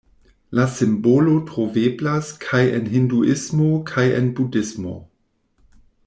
La simbolo troveblas kaj en hinduismo kaj en budhismo.